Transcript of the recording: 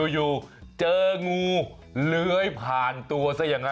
อยู่เจองูเลื้อยผ่านตัวซะอย่างนั้น